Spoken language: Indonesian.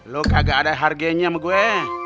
lu kagak ada harganya sama gue